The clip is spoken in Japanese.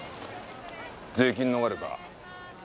税金逃れか。